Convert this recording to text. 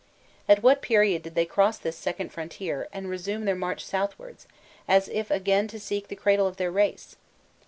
At what period did they cross this second frontier and resume their march southwards, as if again to seek the cradle of their race?